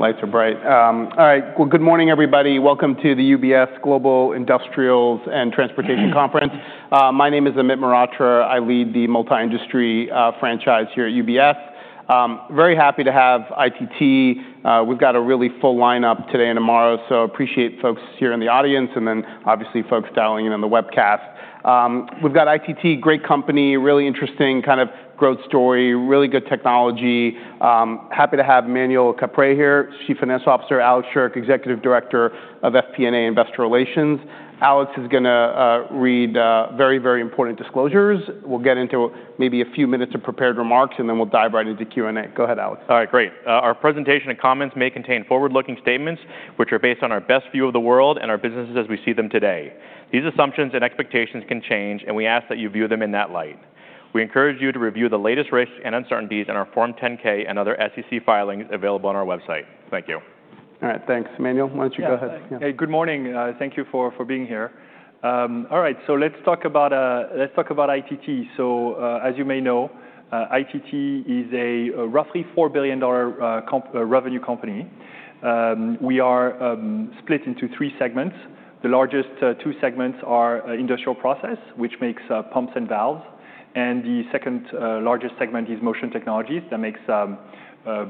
Lights are bright. All right. Good morning, everybody. Welcome to the UBS Global Industrials and Transportation Conference. My name is Amit Mehrotra. I lead the multi-industry franchise here at UBS. Very happy to have ITT. We've got a really full lineup today and tomorrow, so I appreciate folks here in the audience and, obviously, folks dialing in on the webcast. We've got ITT, a great company, really interesting kind of growth story, really good technology. Happy to have Emmanuel Caprais here, Chief Financial Officer, Alex Scherk, Executive Director of FP&A Investor Relations. Alex is going to read very, very important disclosures. We'll get into maybe a few minutes of prepared remarks, and then we'll dive right into Q&A. Go ahead, Alex. All right. Great. Our presentation and comments may contain forward-looking statements which are based on our best view of the world and our businesses as we see them today. These assumptions and expectations can change, and we ask that you view them in that light. We encourage you to review the latest risks and uncertainties in our Form 10-K and other SEC filings available on our website. Thank you. All right. Thanks, Emmanuel. Why don't you go ahead? Hey, good morning. Thank you for being here. All right. Let's talk about ITT. As you may know, ITT is a roughly $4 billion revenue company. We are split into three segments. The largest two segments are industrial process, which makes pumps and valves. The second largest segment is motion technologies that makes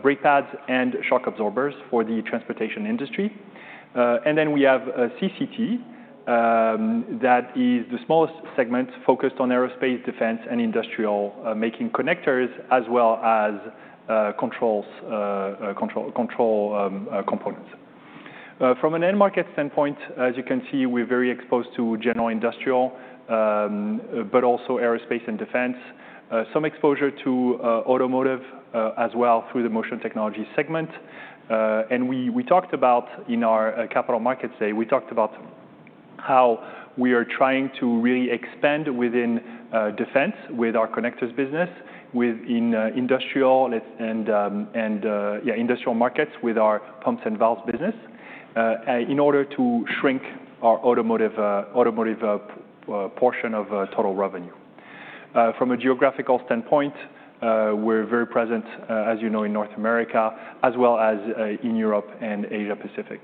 brake pads and shock absorbers for the transportation industry. We have CCT that is the smallest segment focused on aerospace, defense, and industrial, making connectors as well as control components. From an end-market standpoint, as you can see, we're very exposed to general industrial, but also aerospace and defense. Some exposure to automotive as well through the motion technology segment. We talked about in our Capital Markets Day, we talked about how we are trying to really expand within defense with our connectors business, within industrial and, yeah, industrial markets with our pumps and valves business in order to shrink our automotive portion of total revenue. From a geographical standpoint, we're very present, as you know, in North America as well as in Europe and Asia-Pacific.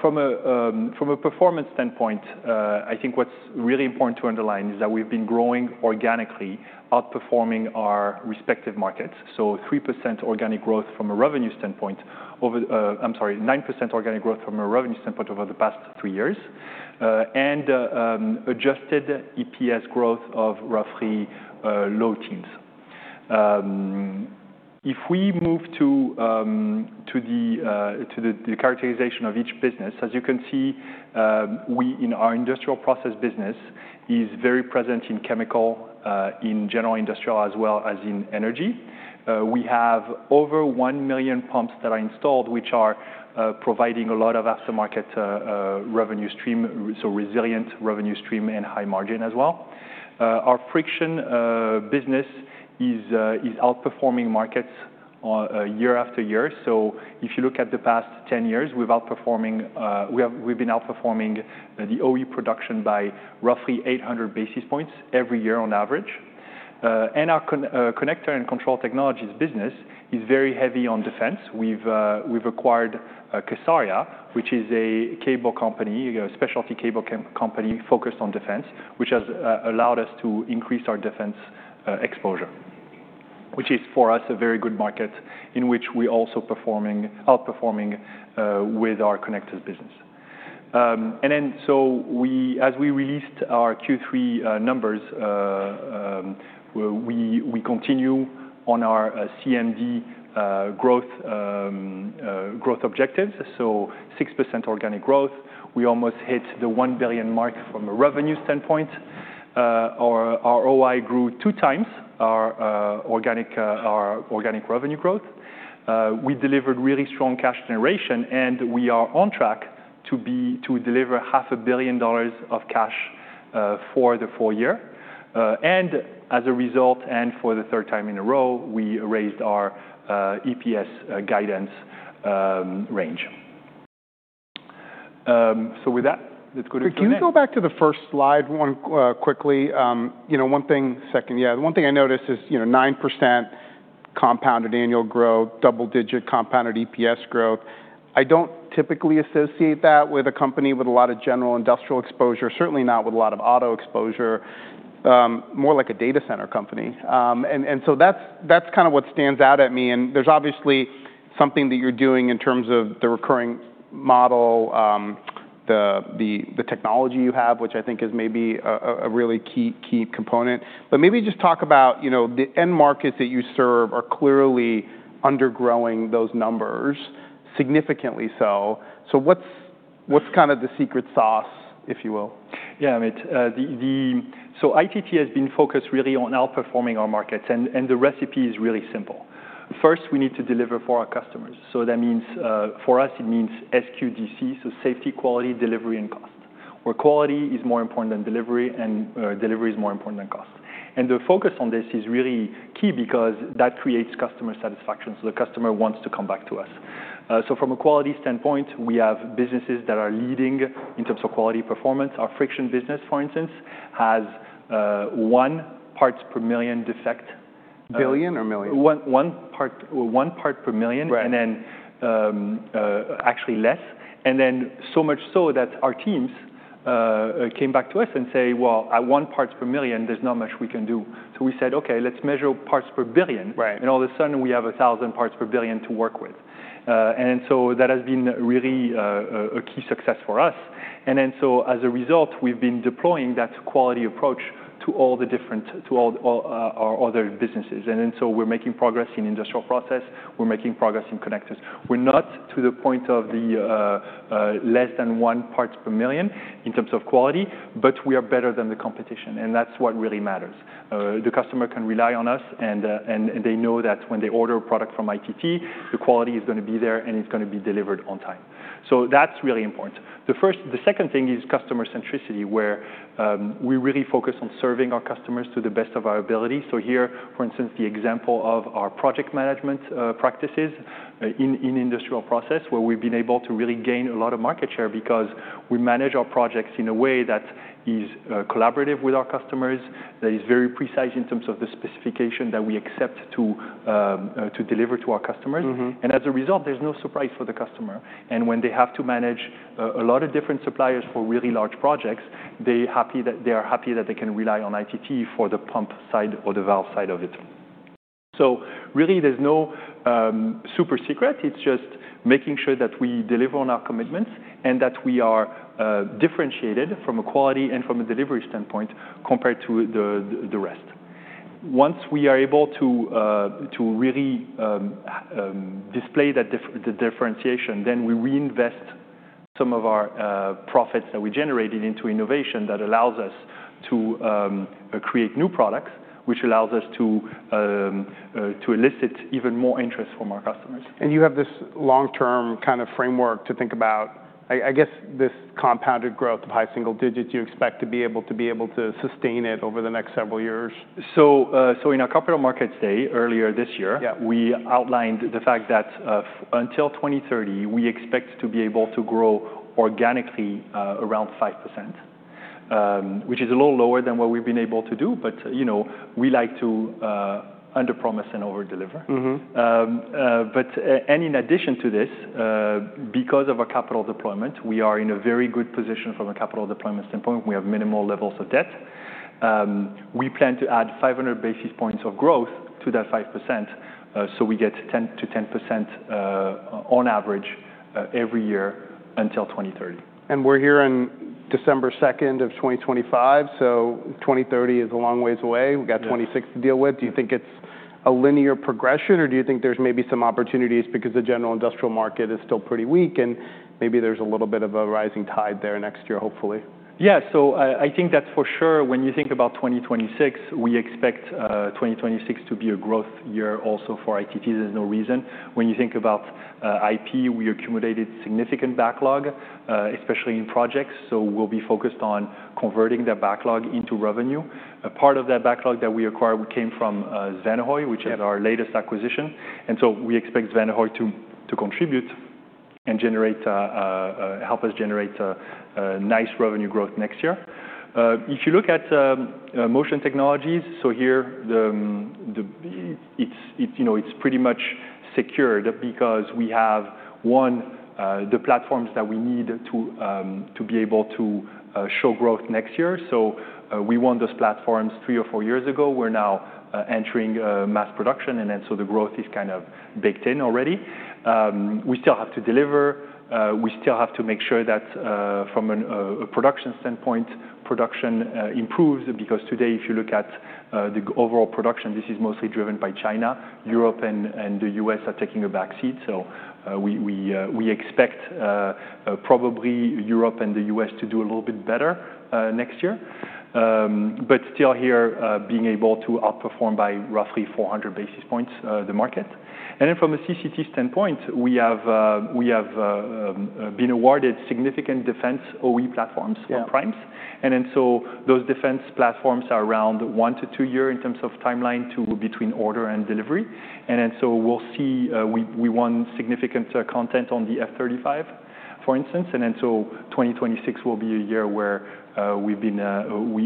From a performance standpoint, I think what's really important to underline is that we've been growing organically, outperforming our respective markets. 3% organic growth from a revenue standpoint over, I'm sorry, 9% organic growth from a revenue standpoint over the past three years, and adjusted EPS growth of roughly low teens. If we move to the characterization of each business, as you can see, we, in our industrial process business, are very present in chemical, in general industrial as well as in energy. We have over 1 million pumps that are installed, which are providing a lot of aftermarket revenue stream, so resilient revenue stream and high margin as well. Our friction business is outperforming markets year after year. If you look at the past 10 years, we've been outperforming the OE production by roughly 800 basis points every year on average. Our connector and control technologies business is very heavy on defense. We've acquired Kesaria, which is a cable company, a specialty cable company focused on defense, which has allowed us to increase our defense exposure, which is, for us, a very good market in which we're also outperforming with our connectors business. As we released our Q3 numbers, we continue on our CMD growth objectives. 6% organic growth. We almost hit the $1 billion mark from a revenue standpoint. Our OI grew two times our organic revenue growth. We delivered really strong cash generation, and we are on track to deliver $500,000,000 of cash for the full year. As a result, and for the third time in a row, we raised our EPS guidance range. With that, let's go to Q&A. Could you go back to the first slide quickly? One thing, second, yeah, the one thing I noticed is 9% compounded annual growth, double-digit compounded EPS growth. I do not typically associate that with a company with a lot of general industrial exposure, certainly not with a lot of auto exposure, more like a data center company. That is kind of what stands out at me. There is obviously something that you are doing in terms of the recurring model, the technology you have, which I think is maybe a really key component. Maybe just talk about the end markets that you serve are clearly undergrowing those numbers significantly. What is kind of the secret sauce, if you will? Yeah. ITT has been focused really on outperforming our markets, and the recipe is really simple. First, we need to deliver for our customers. That means for us, it means SQDC, so Safety, Quality, Delivery, and Cost, where quality is more important than delivery, and delivery is more important than cost. The focus on this is really key because that creates customer satisfaction. The customer wants to come back to us. From a quality standpoint, we have businesses that are leading in terms of quality performance. Our friction business, for instance, has one parts per million defect. Billion or million? One part per million. Actually less. So much so that our teams came back to us and said, "Well, at one part per million, there's not much we can do." We said, "Okay, let's measure parts per billion." All of a sudden, we have 1,000 parts per billion to work with. That has been really a key success for us. As a result, we've been deploying that quality approach to all the different businesses. We're making progress in industrial process. We're making progress in connectors. We're not to the point of less than one part per million in terms of quality, but we are better than the competition. That's what really matters. The customer can rely on us, and they know that when they order a product from ITT, the quality is going to be there, and it's going to be delivered on time. That is really important. The second thing is customer centricity, where we really focus on serving our customers to the best of our ability. Here, for instance, the example of our project management practices in industrial process, where we've been able to really gain a lot of market share because we manage our projects in a way that is collaborative with our customers, that is very precise in terms of the specification that we accept to deliver to our customers. As a result, there's no surprise for the customer. When they have to manage a lot of different suppliers for really large projects, they are happy that they can rely on ITT for the pump side or the valve side of it. Really, there is no super secret. It is just making sure that we deliver on our commitments and that we are differentiated from a quality and from a delivery standpoint compared to the rest. Once we are able to really display that differentiation, we reinvest some of our profits that we generated into innovation that allows us to create new products, which allows us to elicit even more interest from our customers. You have this long-term kind of framework to think about. I guess this compounded growth of high single digits, you expect to be able to sustain it over the next several years? In our capital markets day earlier this year, we outlined the fact that until 2030, we expect to be able to grow organically around 5%, which is a little lower than what we've been able to do. We like to under-promise and over-deliver. In addition to this, because of our capital deployment, we are in a very good position from a capital deployment standpoint. We have minimal levels of debt. We plan to add 500 basis points of growth to that 5%. We get 10%-10% on average every year until 2030. We're here on December 2nd of 2025. So, 2030 is a long ways away. We've got 26 to deal with. Do you think it's a linear progression, or do you think there's maybe some opportunities because the general industrial market is still pretty weak and maybe there's a little bit of a rising tide there next year, hopefully? Yeah. I think that for sure, when you think about 2026, we expect 2026 to be a growth year also for ITT. There's no reason. When you think about IP, we accumulated significant backlog, especially in projects. We'll be focused on converting that backlog into revenue. A part of that backlog that we acquired came from Svanehøj, which is our latest acquisition. We expect Svanehøj to contribute and help us generate nice revenue growth next year. If you look at motion technologies, here, it's pretty much secured because we have the platforms that we need to be able to show growth next year. We won those platforms three or four years ago. We're now entering mass production, so the growth is kind of baked in already. We still have to deliver. We still have to make sure that from a production standpoint, production improves because today, if you look at the overall production, this is mostly driven by China. Europe and the U.S. are taking a backseat. We expect probably Europe and the U.S. to do a little bit better next year, but still here being able to outperform by roughly 400 basis points the market. From a CCT standpoint, we have been awarded significant defense OE platforms or primes. Those defense platforms are around one to two years in terms of timeline between order and delivery. We won significant content on the F-35, for instance. 2026 will be a year where we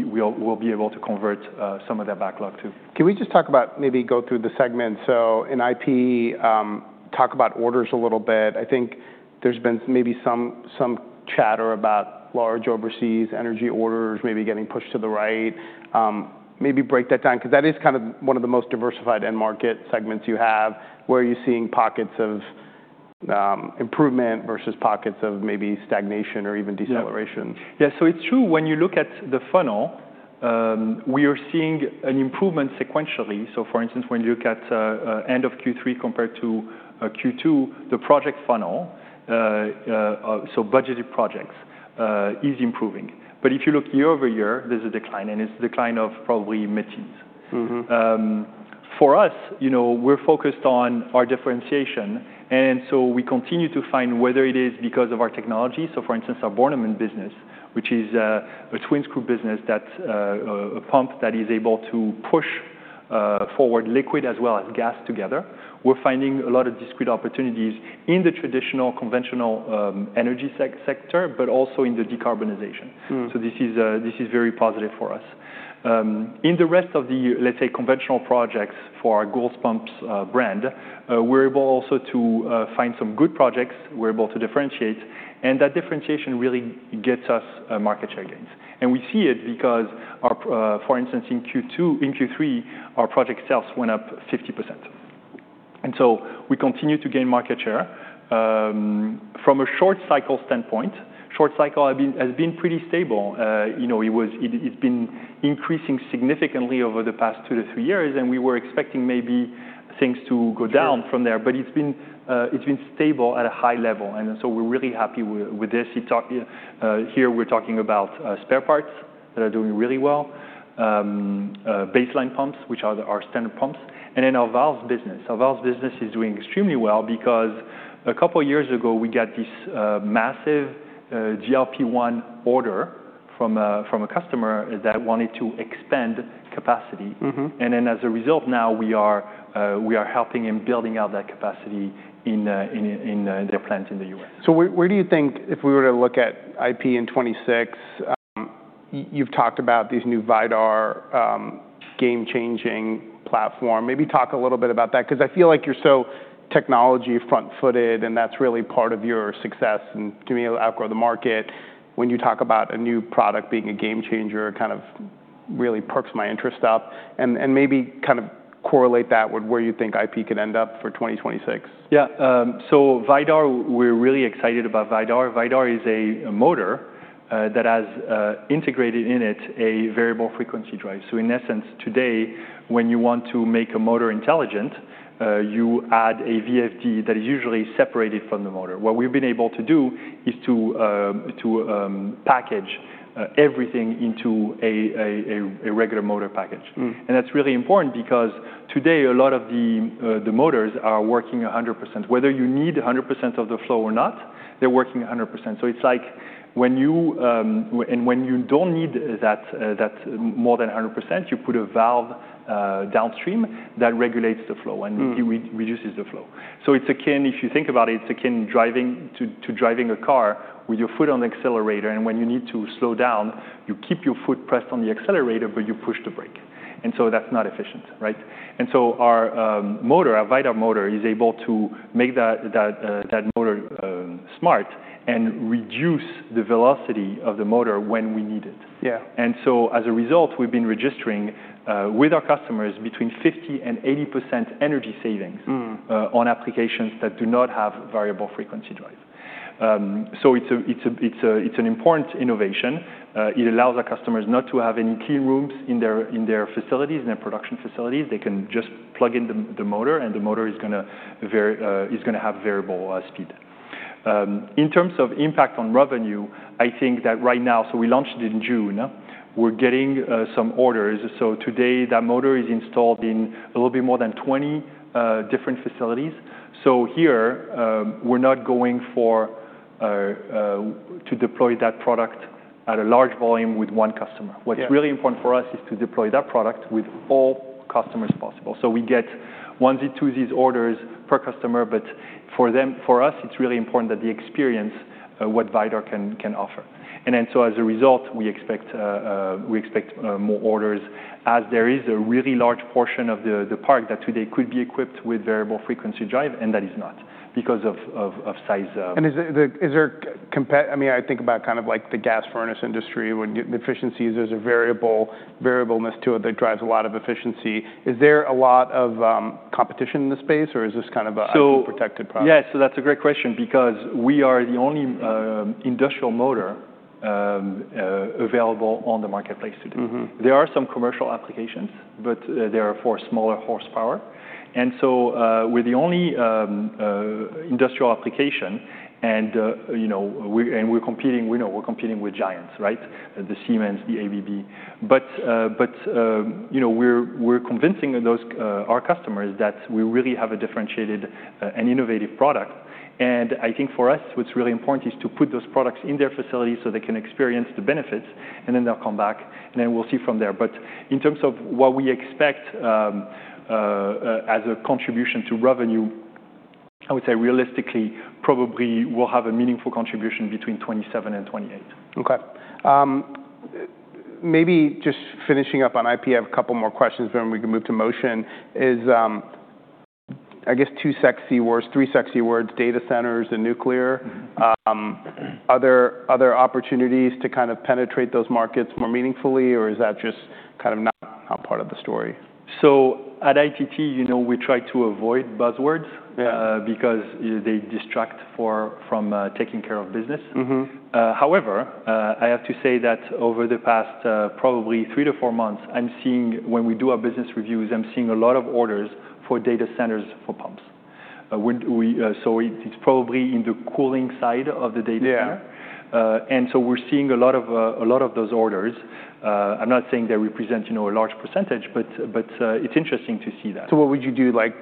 will be able to convert some of that backlog too. Can we just talk about maybe go through the segments? In IP, talk about orders a little bit. I think there's been maybe some chatter about large overseas energy orders maybe getting pushed to the right. Maybe break that down because that is kind of one of the most diversified end-market segments you have. Where are you seeing pockets of improvement versus pockets of maybe stagnation or even deceleration? Yeah. So, it's true. When you look at the funnel, we are seeing an improvement sequentially. For instance, when you look at end of Q3 compared to Q2, the project funnel, so budgeted projects, is improving. If you look year over year, there's a decline, and it's a decline of probably millions. For us, we're focused on our differentiation. We continue to find whether it is because of our technology. For instance, our Bornemann business, which is a twin-screw business, that's a pump that is able to push forward liquid as well as gas together. We're finding a lot of discrete opportunities in the traditional conventional energy sector, but also in the decarbonization. This is very positive for us. In the rest of the, let's say, conventional projects for our Goulds Pumps brand, we're able also to find some good projects. We're able to differentiate. That differentiation really gets us market share gains. We see it because, for instance, in Q3, our project sales went up 50%. We continue to gain market share. From a short cycle standpoint, short cycle has been pretty stable. It's been increasing significantly over the past two to three years, and we were expecting maybe things to go down from there, but it's been stable at a high level. We're really happy with this. Here, we're talking about spare parts that are doing really well, baseline pumps, which are our standard pumps, and then our valves business. Our valves business is doing extremely well because a couple of years ago, we got this massive GLP-1 order from a customer that wanted to expand capacity. As a result, now we are helping him build out that capacity in their plant in the U.S. Where do you think if we were to look at IP in 2026? You've talked about these new VIDAR game-changing platform. Maybe talk a little bit about that because I feel like you're so technology front-footed, and that's really part of your success in doing outgrow the market. When you talk about a new product being a game changer, it kind of really perks my interest up. Maybe kind of correlate that with where you think IP could end up for 2026. Yeah. VIDAR, we're really excited about VIDAR. VIDAR is a motor that has integrated in it a variable frequency drive. In essence, today, when you want to make a motor intelligent, you add a VFD that is usually separated from the motor. What we've been able to do is to package everything into a regular motor package. That's really important because today, a lot of the motors are working 100%. Whether you need 100% of the flow or not, they're working 100%. It's like when you don't need more than 100%, you put a valve downstream that regulates the flow and reduces the flow. If you think about it, it's akin to driving a car with your foot on the accelerator. When you need to slow down, you keep your foot pressed on the accelerator, but you push the brake. That's not efficient, right? Our motor, our VIDAR motor, is able to make that motor smart and reduce the velocity of the motor when we need it. Yeah. As a result, we've been registering with our customers between 50% and 80% energy savings on applications that do not have variable frequency drive. It's an important innovation. It allows our customers not to have any clean rooms in their facilities, in their production facilities. They can just plug in the motor, and the motor is going to have variable speed. In terms of impact on revenue, I think that right now, we launched it in June. We're getting some orders. Today, that motor is installed in a little bit more than 20 different facilities. Here, we're not going to deploy that product at a large volume with one customer. What's really important for us is to deploy that product with all customers possible. We get onesie, twosies orders per customer, but for us, it's really important that they experience what VIDAR can offer. As a result, we expect more orders as there is a really large portion of the park that today could be equipped with variable frequency drive, and that is not because of size. Is there compared? I mean, I think about kind of like the gas furnace industry when efficiency is there's a variable variableness to it that drives a lot of efficiency. Is there a lot of competition in the space, or is this kind of a protected product? Yeah. That's a great question because we are the only industrial motor available on the marketplace today. There are some commercial applications, but they are for smaller horsepower. We're the only industrial application, and we're competing, we know we're competing with giants, right? The Siemens, the ABB. We're convincing our customers that we really have a differentiated and innovative product. I think for us, what's really important is to put those products in their facilities so they can experience the benefits, and then they'll come back, and then we'll see from there. In terms of what we expect as a contribution to revenue, I would say realistically, probably we'll have a meaningful contribution between 2027 and 2028. Okay. Maybe just finishing up on IP, I have a couple more questions, then we can move to motion. I guess two sexy words, three sexy words, data centers and nuclear. Other opportunities to kind of penetrate those markets more meaningfully, or is that just kind of not part of the story? At ITT, we try to avoid buzzwords because they distract from taking care of business. However, I have to say that over the past probably three to four months, I'm seeing when we do our business reviews, I'm seeing a lot of orders for data centers for pumps. It's probably in the cooling side of the data center. We're seeing a lot of those orders. I'm not saying they represent a large percentage, but it's interesting to see that. What would you do? Like,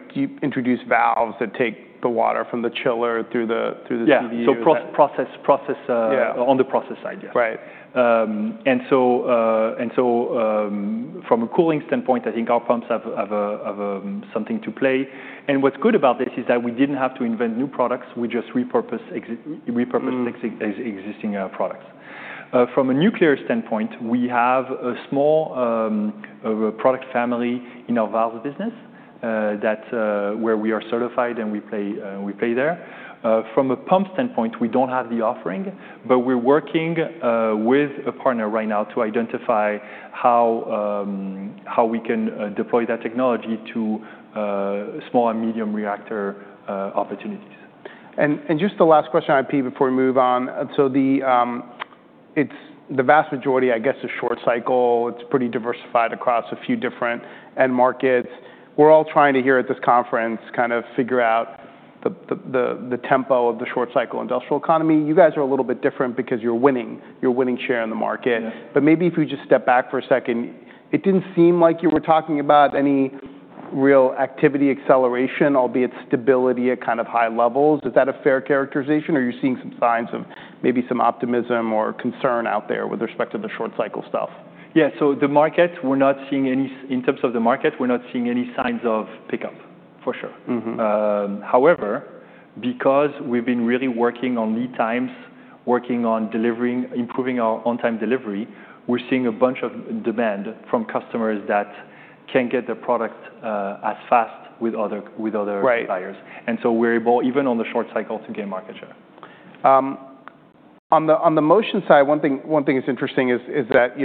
introduce valves that take the water from the chiller through the CVE? Yeah. So, process on the process side, yes. Right. From a cooling standpoint, I think our pumps have something to play. What's good about this is that we didn't have to invent new products. We just repurposed existing products. From a nuclear standpoint, we have a small product family in our valves business where we are certified, and we play there. From a pump standpoint, we don't have the offering, but we're working with a partner right now to identify how we can deploy that technology to small and medium reactor opportunities. Just the last question on IP before we move on. The vast majority, I guess, is short cycle. It's pretty diversified across a few different end markets. We're all trying to here at this conference kind of figure out the tempo of the short cycle industrial economy. You guys are a little bit different because you're winning share in the market. Maybe if you just step back for a second, it didn't seem like you were talking about any real activity acceleration, albeit stability at kind of high levels. Is that a fair characterization, or are you seeing some signs of maybe some optimism or concern out there with respect to the short cycle stuff? Yeah. The market, we're not seeing any, in terms of the market, we're not seeing any signs of pickup, for sure. However, because we've been really working on lead times, working on delivering, improving our on-time delivery, we're seeing a bunch of demand from customers that can't get their product as fast with other buyers. We're able, even on the short cycle, to gain market share. On the motion side, one thing that's interesting is that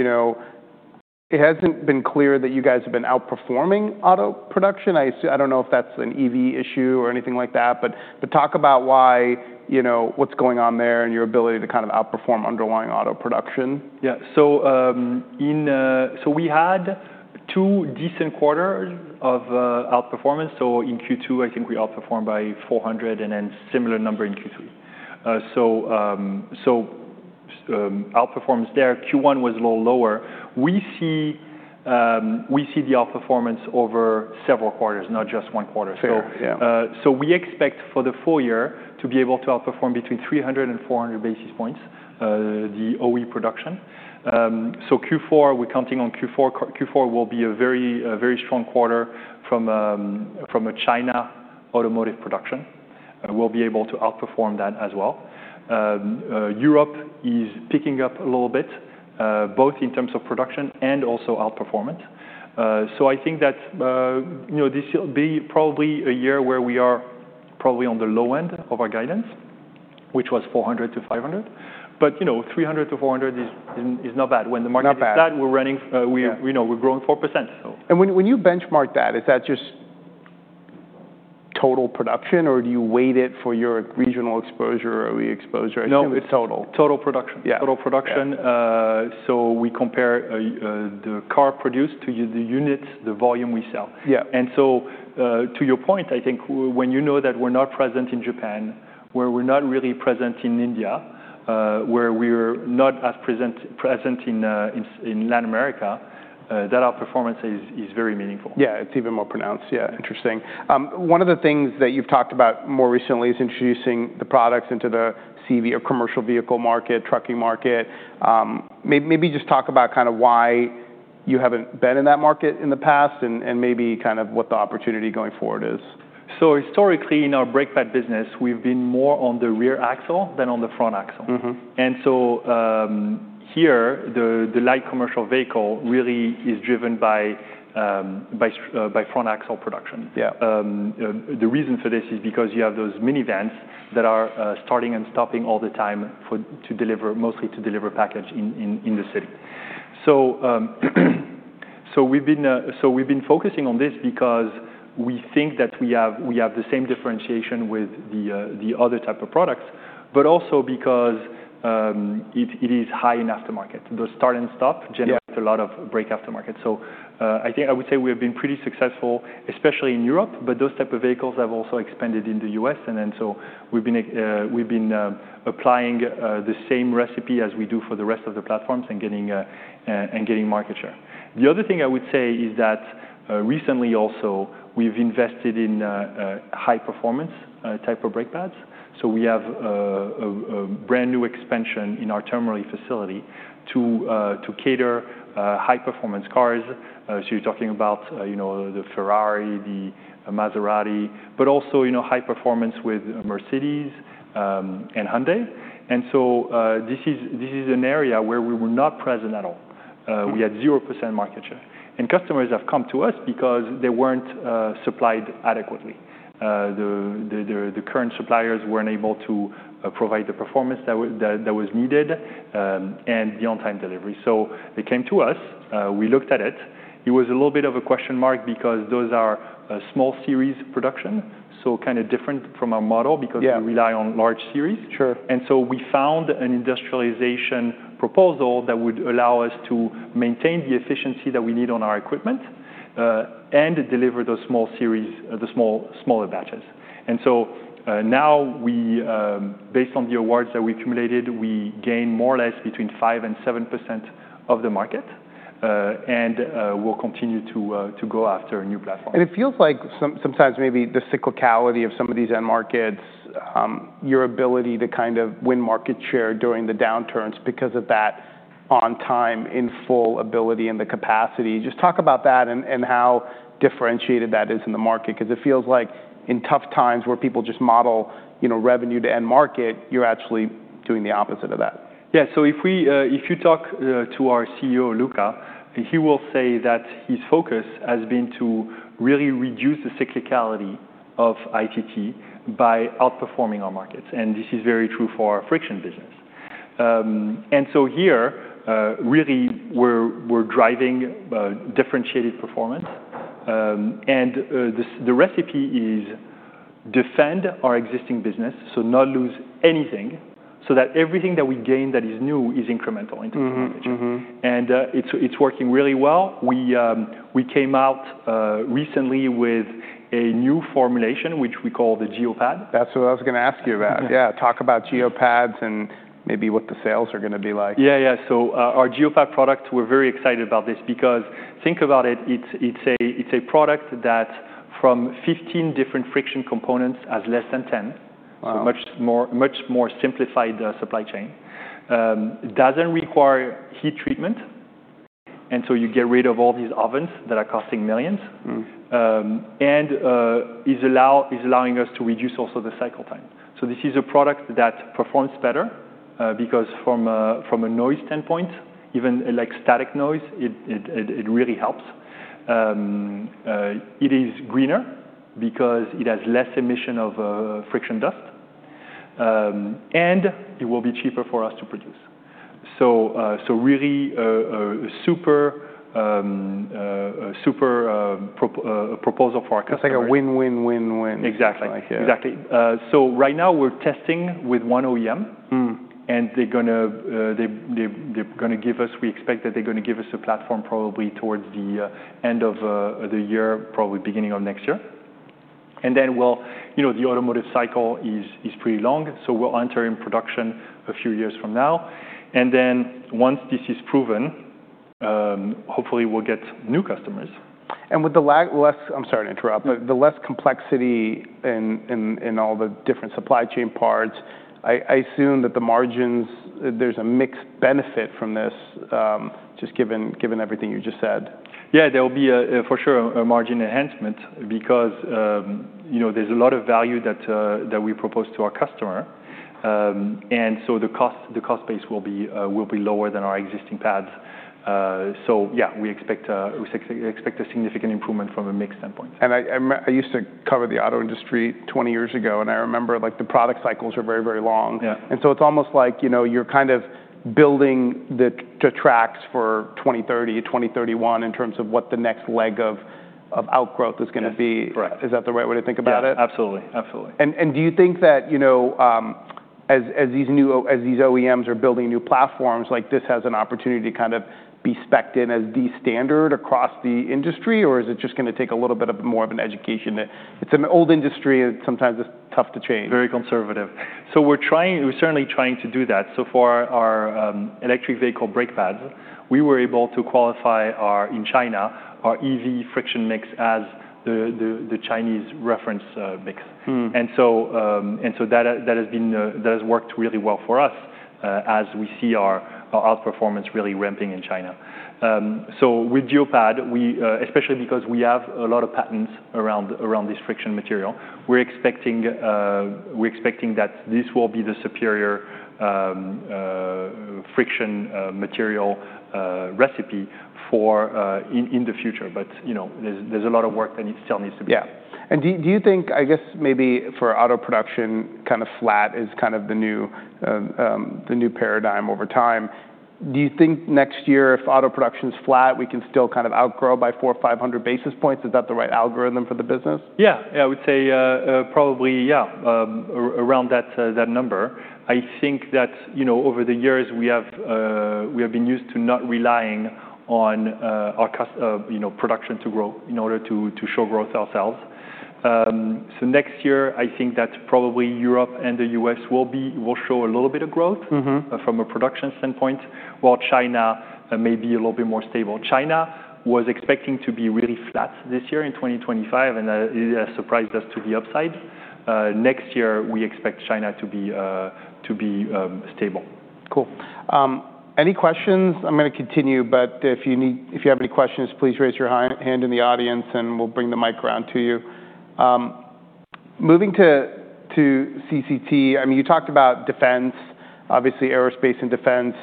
it hasn't been clear that you guys have been outperforming auto production. I don't know if that's an EV issue or anything like that, but talk about what's going on there and your ability to kind of outperform underlying auto production. Yeah. We had two decent quarters of outperformance. In Q2, I think we outperformed by 400 and then a similar number in Q3. Outperformance there, Q1 was a little lower. We see the outperformance over several quarters, not just one quarter. We expect for the full year to be able to outperform between 300 and 400 basis points, the OE production. Q4, we're counting on Q4 will be a very strong quarter from a China automotive production. We'll be able to outperform that as well. Europe is picking up a little bit, both in terms of production and also outperformance. I think that this will be probably a year where we are probably on the low end of our guidance, which was 400-500. 300-400 is not bad. When the market is that, we're growing 4%. When you benchmark that, is that just total production, or do you weight it for your regional exposure or exposure? No, it's total. Total production. Yeah. Total production. We compare the car produced to the units, the volume we sell. Yeah. To your point, I think when you know that we're not present in Japan, where we're not really present in India, where we're not as present in Latin America, that our performance is very meaningful. Yeah. It's even more pronounced. Yeah. Interesting. One of the things that you've talked about more recently is introducing the products into the commercial vehicle market, trucking market. Maybe just talk about kind of why you haven't been in that market in the past and maybe kind of what the opportunity going forward is. Historically, in our brake pad business, we've been more on the rear axle than on the front axle. Here, the light commercial vehicle really is driven by front axle production. Yeah. The reason for this is because you have those minivans that are starting and stopping all the time mostly to deliver package in the city. We have been focusing on this because we think that we have the same differentiation with the other type of products, but also because it is high in aftermarket. Those start and stop generate a lot of brake aftermarket. I would say we have been pretty successful, especially in Europe, but those type of vehicles have also expanded in the U.S. We have been applying the same recipe as we do for the rest of the platforms and getting market share. The other thing I would say is that recently also, we have invested in high performance type of brake pads. We have a brand new expansion in our terminal facility to cater high performance cars. You're talking about the Ferrari, the Maserati, but also high performance with Mercedes and Hyundai. This is an area where we were not present at all. We had 0% market share. Customers have come to us because they were not supplied adequately. The current suppliers were not able to provide the performance that was needed and the on-time delivery. They came to us. We looked at it. It was a little bit of a question mark because those are small series production, so kind of different from our model because we rely on large series. Sure. We found an industrialization proposal that would allow us to maintain the efficiency that we need on our equipment and deliver those smaller batches. Now, based on the awards that we accumulated, we gain more or less between 5% and 7% of the market, and we will continue to go after a new platform. It feels like sometimes maybe the cyclicality of some of these end markets, your ability to kind of win market share during the downturns because of that on-time in full ability and the capacity. Just talk about that and how differentiated that is in the market because it feels like in tough times where people just model revenue to end market, you're actually doing the opposite of that. Yeah. If you talk to our CEO, Luca, he will say that his focus has been to really reduce the cyclicality of ITT by outperforming our markets. This is very true for our friction business. Here, really, we're driving differentiated performance. The recipe is defend our existing business, so not lose anything, so that everything that we gain that is new is incremental into the market share. It's working really well. We came out recently with a new formulation, which we call the Geo-Pad. That's what I was going to ask you about. Yeah. Talk about Geo-Pads and maybe what the sales are going to be like. Yeah. Yeah. Our Geo-Pad product, we're very excited about this because think about it. It's a product that from 15 different friction components has less than 10. Wow. Much more simplified supply chain. Does not require heat treatment. You get rid of all these ovens that are costing millions. It is allowing us to reduce also the cycle time. This is a product that performs better because from a noise standpoint, even like static noise, it really helps. It is greener because it has less emission of friction dust, and it will be cheaper for us to produce. Really a super proposal for our customers. It's like a win-win-win-win. Exactly. Exactly. Right now, we're testing with one OEM, and they're going to give us, we expect that they're going to give us a platform probably towards the end of the year, probably beginning of next year. The automotive cycle is pretty long, so we'll enter in production a few years from now. Once this is proven, hopefully, we'll get new customers. I'm sorry to interrupt, but the less complexity in all the different supply chain parts, I assume that the margins, there's a mixed benefit from this just given everything you just said. Yeah. There will be for sure a margin enhancement because there's a lot of value that we propose to our customer. And the cost base will be lower than our existing pads. Yeah, we expect a significant improvement from a mixed standpoint. I used to cover the auto industry 20 years ago, and I remember the product cycles are very, very long. It is almost like you're kind of building the tracks for 2030, 2031 in terms of what the next leg of outgrowth is going to be. Correct. Is that the right way to think about it? Absolutely. Absolutely. Do you think that as these OEMs are building new platforms, like this has an opportunity to kind of be specked in as the standard across the industry, or is it just going to take a little bit more of an education? It's an old industry, and sometimes it's tough to change. Very conservative. We're certainly trying to do that. For our electric vehicle brake pads, we were able to qualify in China our EV friction mix as the Chinese reference mix. That has worked really well for us as we see our outperformance really ramping in China. With Geo-Pad, especially because we have a lot of patents around this friction material, we're expecting that this will be the superior friction material recipe in the future. There is a lot of work that still needs to be done. Yeah. Do you think, I guess maybe for auto production, kind of flat is kind of the new paradigm over time. Do you think next year if auto production is flat, we can still kind of outgrow by 400-500 basis points? Is that the right algorithm for the business? Yeah. Yeah. I would say probably, yeah, around that number. I think that over the years, we have been used to not relying on our production to grow in order to show growth ourselves. Next year, I think that probably Europe and the U.S. will show a little bit of growth from a production standpoint, while China may be a little bit more stable. China was expecting to be really flat this year in 2025, and it has surprised us to the upside. Next year, we expect China to be stable. Cool. Any questions? I'm going to continue, but if you have any questions, please raise your hand in the audience, and we'll bring the mic around to you. Moving to CCT, I mean, you talked about defense. Obviously, aerospace and defense,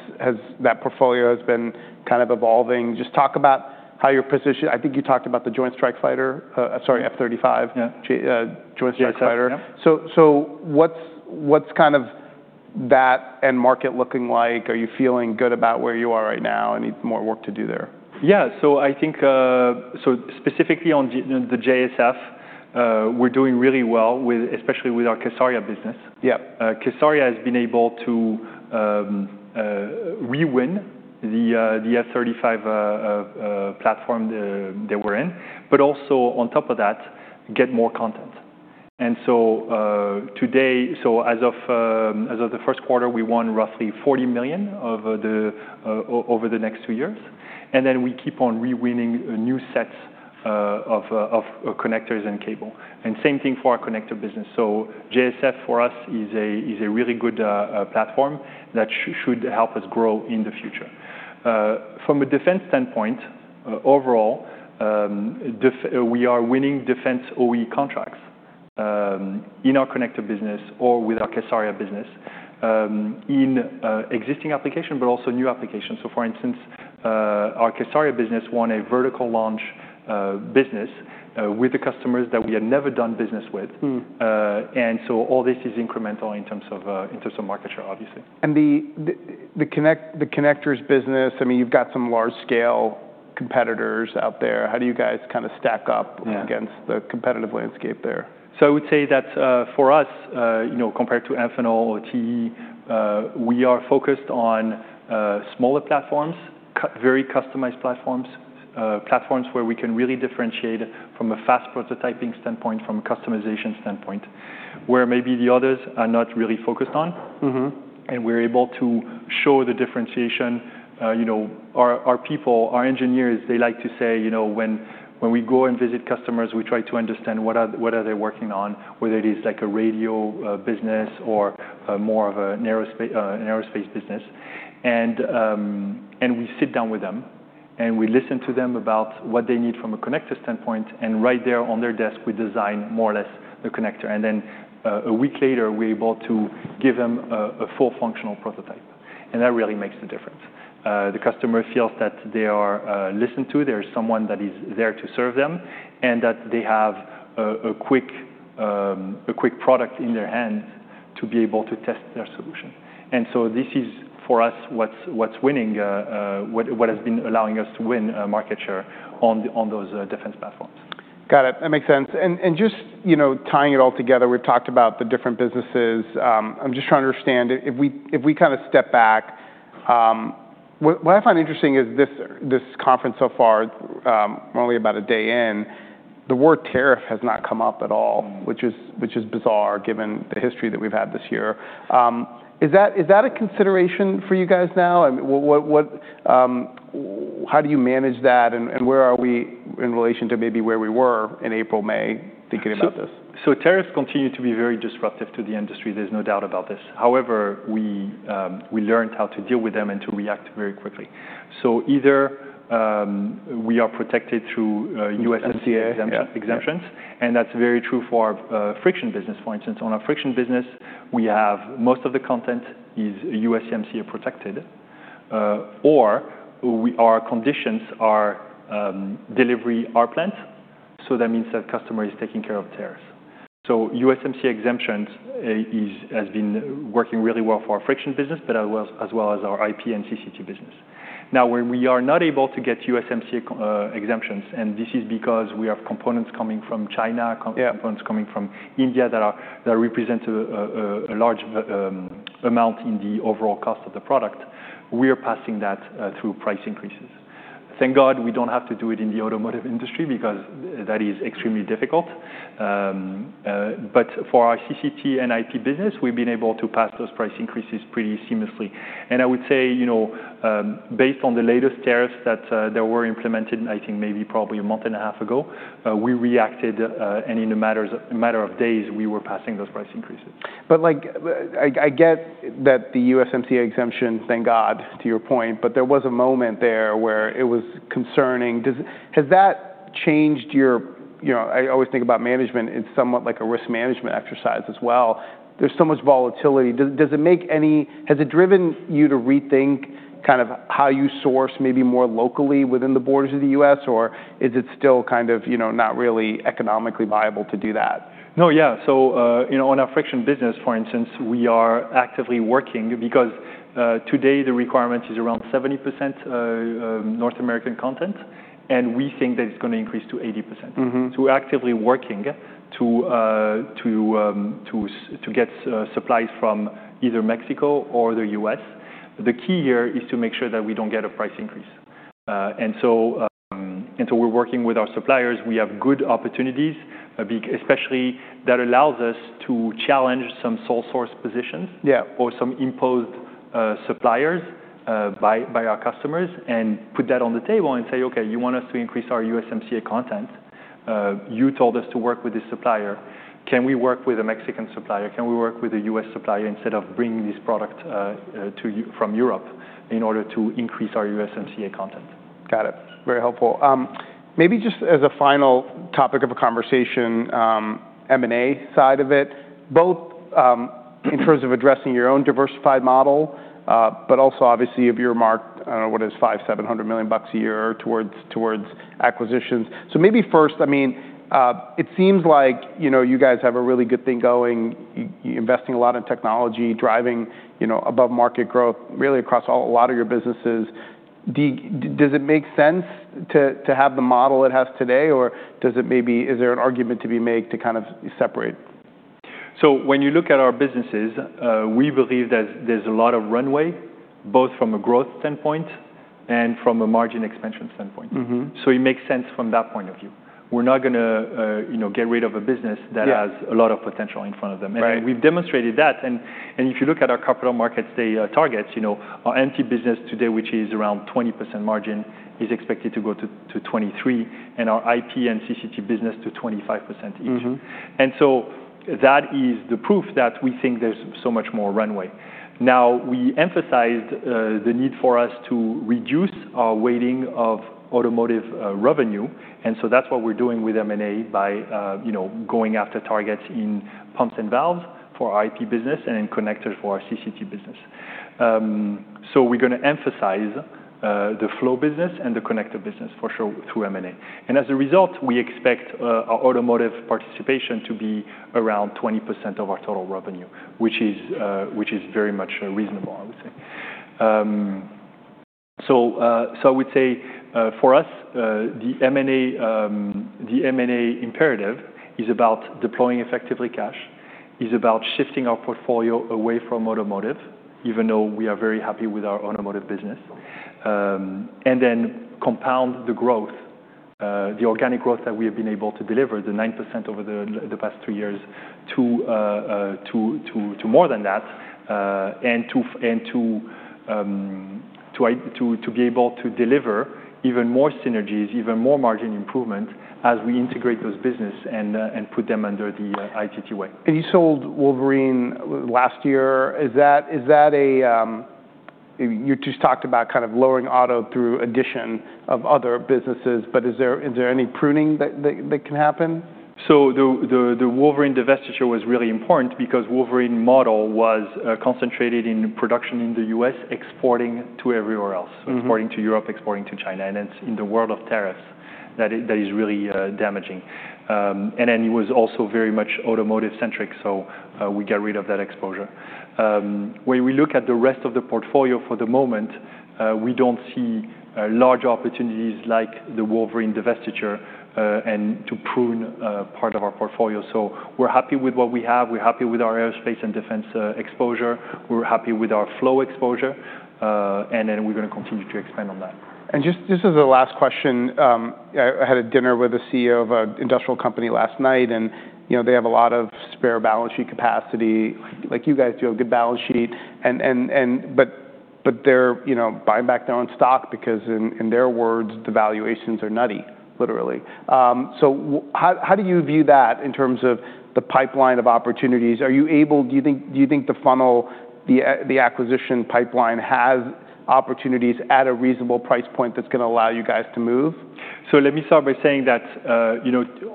that portfolio has been kind of evolving. Just talk about how your position I think you talked about the Joint Strike Fighter, sorry, F-35 Joint Strike Fighter. Yeah. What's kind of that end market looking like? Are you feeling good about where you are right now? Any more work to do there? Yeah. I think specifically on the JSF, we're doing really well, especially with our kSARIA business. Yeah. kSARIA has been able to rewin the F-35 platform that we're in, but also on top of that, get more content. As of the first quarter, we won roughly $40 million over the next two years. We keep on rewinning new sets of connectors and cable. Same thing for our connector business. JSF for us is a really good platform that should help us grow in the future. From a defense standpoint, overall, we are winning defense OE contracts in our connector business or with our kSARIA business in existing applications, but also new applications. For instance, our kSARIA business won a vertical launch business with the customers that we had never done business with. All this is incremental in terms of market share, obviously. The connectors business, I mean, you've got some large-scale competitors out there. How do you guys kind of stack up against the competitive landscape there? I would say that for us, compared to Amphenol or TE, we are focused on smaller platforms, very customized platforms, platforms where we can really differentiate from a fast prototyping standpoint, from a customization standpoint, where maybe the others are not really focused on. We're able to show the differentiation. Our people, our engineers, they like to say, when we go and visit customers, we try to understand what are they working on, whether it is like a radio business or more of an aerospace business. We sit down with them, and we listen to them about what they need from a connector standpoint. Right there on their desk, we design more or less the connector. A week later, we're able to give them a full functional prototype. That really makes the difference. The customer feels that they are listened to. There is someone that is there to serve them and that they have a quick product in their hands to be able to test their solution. This is for us what's winning, what has been allowing us to win market share on those defense platforms. Got it. That makes sense. Just tying it all together, we've talked about the different businesses. I'm just trying to understand if we kind of step back. What I find interesting is this conference so far, only about a day in, the word tariff has not come up at all, which is bizarre given the history that we've had this year. Is that a consideration for you guys now? How do you manage that, and where are we in relation to maybe where we were in April, May thinking about this? Tariffs continue to be very disruptive to the industry. There's no doubt about this. However, we learned how to deal with them and to react very quickly. Either we are protected through USMCA exemptions, and that's very true for our friction business. For instance, on our friction business, most of the content is USMCA protected, or our conditions are delivery R-plant. That means that customer is taking care of tariffs. USMCA exemptions have been working really well for our friction business, but as well as our IP and CCT business. Now, when we are not able to get USMCA exemptions, and this is because we have components coming from China, components coming from India that represent a large amount in the overall cost of the product, we are passing that through price increases. Thank God we don't have to do it in the automotive industry because that is extremely difficult. For our CCT and IP business, we've been able to pass those price increases pretty seamlessly. I would say, based on the latest tariffs that were implemented, I think maybe probably a month and a half ago, we reacted, and in a matter of days, we were passing those price increases. I get that the USMCA exemption, thank God to your point, but there was a moment there where it was concerning. Has that changed your—I always think about management. It's somewhat like a risk management exercise as well. There's so much volatility. Has it driven you to rethink kind of how you source maybe more locally within the borders of the U.S., or is it still kind of not really economically viable to do that? No. Yeah. On our friction business, for instance, we are actively working because today the requirement is around 70% North American content, and we think that it's going to increase to 80%. We are actively working to get supplies from either Mexico or the U.S. The key here is to make sure that we don't get a price increase. We are working with our suppliers. We have good opportunities, especially that allow us to challenge some sole source positions or some imposed suppliers by our customers and put that on the table and say, "Okay, you want us to increase our USMCA content. You told us to work with this supplier. Can we work with a Mexican supplier? Can we work with a U.S. supplier instead of bringing this product from Europe in order to increase our USMCA content? Got it. Very helpful. Maybe just as a final topic of a conversation, M&A side of it, both in terms of addressing your own diversified model, but also obviously of your mark, I do not know what it is, $500 million-$700 million a year towards acquisitions. Maybe first, I mean, it seems like you guys have a really good thing going, investing a lot in technology, driving above-market growth really across a lot of your businesses. Does it make sense to have the model it has today, or is there an argument to be made to kind of separate? When you look at our businesses, we believe there's a lot of runway, both from a growth standpoint and from a margin expansion standpoint. It makes sense from that point of view. We're not going to get rid of a business that has a lot of potential in front of them. We've demonstrated that. If you look at our capital markets targets, our MT business today, which is around 20% margin, is expected to go to 23%, and our IP and CCT business to 25% each. That is the proof that we think there's so much more runway. We emphasized the need for us to reduce our weighting of automotive revenue. That's what we're doing with M&A by going after targets in pumps and valves for our IP business and in connectors for our CCT business. We're going to emphasize the flow business and the connector business for sure through M&A. As a result, we expect our automotive participation to be around 20% of our total revenue, which is very much reasonable, I would say. I would say for us, the M&A imperative is about deploying effectively cash, is about shifting our portfolio away from automotive, even though we are very happy with our automotive business, and then compound the growth, the organic growth that we have been able to deliver, the 9% over the past three years to more than that, and to be able to deliver even more synergies, even more margin improvement as we integrate those businesses and put them under the ITT way. You sold Wolverine last year. You just talked about kind of lowering auto through addition of other businesses, but is there any pruning that can happen? The Wolverine divestiture was really important because the Wolverine model was concentrated in production in the U.S., exporting to everywhere else, exporting to Europe, exporting to China. In the world of tariffs that is really damaging. It was also very much automotive-centric, so we got rid of that exposure. When we look at the rest of the portfolio for the moment, we do not see large opportunities like the Wolverine divestiture to prune part of our portfolio. We are happy with what we have. We are happy with our aerospace and defense exposure. We are happy with our flow exposure, and we are going to continue to expand on that. Just as a last question, I had a dinner with a CEO of an industrial company last night, and they have a lot of spare balance sheet capacity. Like you guys do have a good balance sheet, but they're buying back their own stock because, in their words, the valuations are nutty, literally. How do you view that in terms of the pipeline of opportunities? Do you think the funnel, the acquisition pipeline, has opportunities at a reasonable price point that's going to allow you guys to move? Let me start by saying that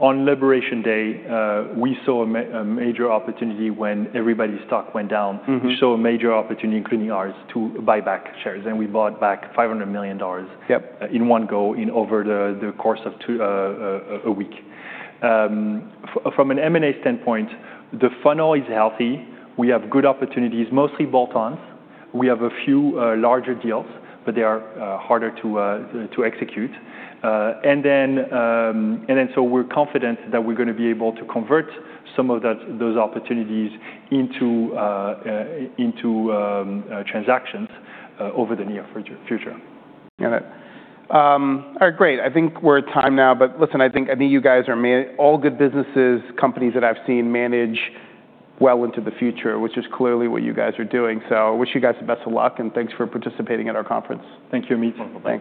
on Liberation Day, we saw a major opportunity when everybody's stock went down. We saw a major opportunity, including ours, to buy back shares. We bought back $500 million in one go over the course of a week. From an M&A standpoint, the funnel is healthy. We have good opportunities, mostly bolt-ons. We have a few larger deals, but they are harder to execute. We are confident that we are going to be able to convert some of those opportunities into transactions over the near future. Got it. All right. Great. I think we're at time now, but listen, I think you guys are all good businesses, companies that I've seen manage well into the future, which is clearly what you guys are doing. I wish you guys the best of luck, and thanks for participating in our conference. Thank you, Amit. Bye-bye.